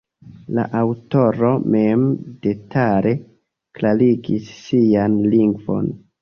La aŭtoro mem detale klarigis sian lingvon.